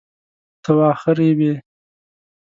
ته واخه ریبې؟